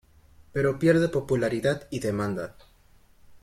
Pero pierde popularidad y demanda.